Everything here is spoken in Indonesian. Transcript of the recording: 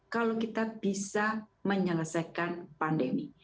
kalau kita bisa menyelesaikan pandemi